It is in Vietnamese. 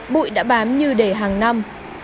bụi đã bám như để hàng năm